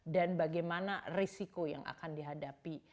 dan bagaimana risiko yang akan dihadapi